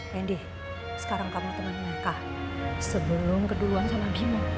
randy sekarang kamu teman meka sebelum keduan sama bimo